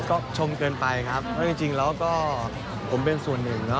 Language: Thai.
ก็ชมเกินไปครับเพราะจริงแล้วก็ผมเป็นส่วนหนึ่งเนาะ